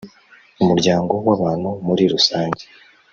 umuryango w’abantu muri rusange.